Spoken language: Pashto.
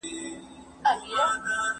تل خو به حسین لره یزید کربلا نه نیسي